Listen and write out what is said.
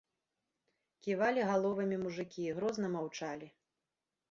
Ківалі галовамі мужыкі і грозна маўчалі.